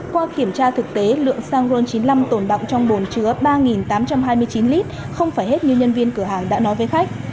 qua kiểm tra thực tế lượng xăng ron chín mươi năm tồn động trong bồn chứa ba tám trăm hai mươi chín lít không phải hết như nhân viên cửa hàng đã nói với khách